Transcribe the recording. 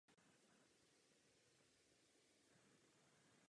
I pro klíčení spor je nutné prostředí bez kyslíku.